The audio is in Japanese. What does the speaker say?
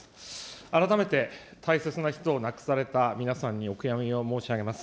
改めて大切な人を亡くされた皆さんにお悔やみを申し上げます。